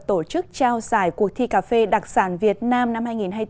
tổ chức trao giải cuộc thi cà phê đặc sản việt nam năm hai nghìn hai mươi bốn